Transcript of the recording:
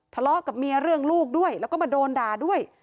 ทะเลาะกับเมียเรื่องลูกด้วยแล้วก็มาโดนด่าด้วย